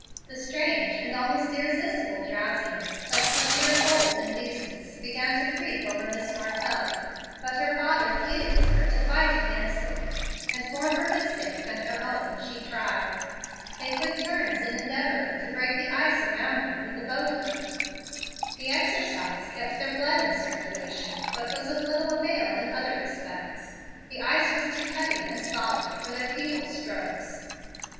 The strange and almost irresistible drowsiness that severe cold induces began to creep over Miss Martell, but her father pleaded with her to fight against it; and, more for his sake than her own, she tried. They took turns in endeavoring to break the ice around them with the boat hook. The exercise kept their blood in circulation, but was of little avail in other respects. The ice was too heavy and solid for their feeble strokes.